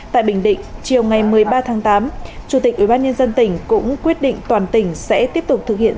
tại bình định chiều ngày một mươi ba tháng tám chủ tịch ubnd tỉnh cũng quyết định toàn tỉnh sẽ tiếp tục thực hiện